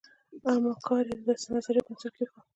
اما کار یې د داسې نظریو بنسټ کېښود.